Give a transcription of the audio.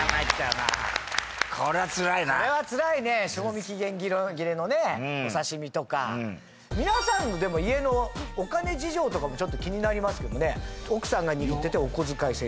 これはツライなこれはツライね賞味期限切れのねお刺身とかうんうん皆さんのでも家のお金事情とかもちょっと気になりますけどね奥さんが握っててえっお小遣い制？